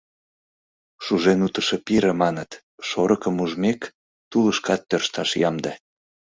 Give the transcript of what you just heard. Шужен утышо пире, маныт, шорыкым ужмек, тулышкат тӧршташ ямде».